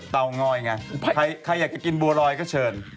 เงอยไงใครอยากจะกินบัวลอยก็เชิญ